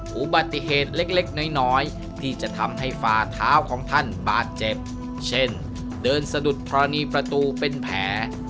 อุบัติเหตุเล็กน้อยที่จะทำให้ฝ่าเท้าของท่านบาดเจ็บเช่นเดินสะดุดธรณีประตูเป็นแผล